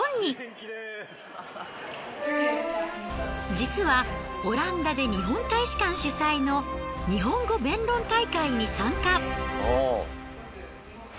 実はオランダで日本大使館主催の日本語弁論大会に参加。